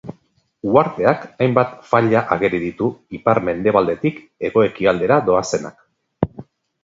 Uharteak hainbat faila ageri ditu ipar-mendebaldetik hego-ekialdera doazenak.